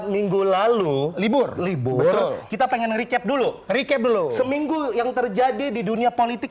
minggu lalu libur libur kita pengen recap dulu recap dulu seminggu yang terjadi di dunia politik